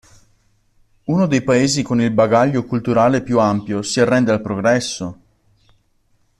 Uno dei paesi con il bagaglio culturale più ampio si arrende al progresso?